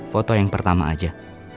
foto yang pertama aja